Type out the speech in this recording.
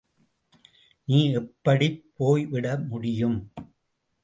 நீ எப்படிப் போய்விட முடியும்?